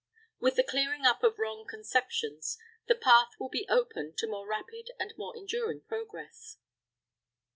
With the clearing up of wrong conceptions, the path will be open to more rapid and more enduring progress.